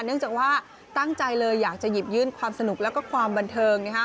เนื่องจากว่าตั้งใจเลยอยากจะหยิบยื่นความสนุกแล้วก็ความบันเทิง